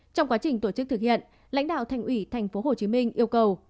trong quá trình tổ chức thực hiện lãnh đạo thành ủy tp hcm yêu cầu